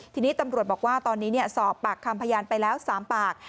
ทีนี้ตำรวจบอกว่าตอนนี้สอบปากคำพยานไปแล้ว๓ปาก